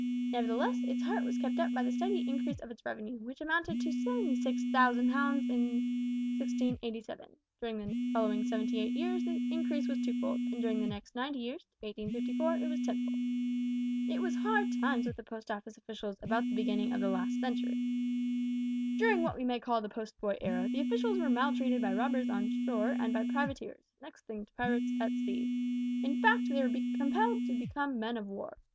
Nevertheless its heart was kept up by the steady increase of its revenue, which amounted to 76,000 pounds in 1687. During the following seventy eight years the increase was twofold, and during the next ninety years (to 1854) it was tenfold. "It was hard times with the Post Office officials about the beginning of last century. "During what we may call the Post boy Era, the officials were maltreated by robbers on shore and by privateers (next thing to pirates) at sea. In fact they were compelled to become men of war.